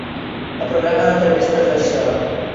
El programa d'entrevistes de Shore.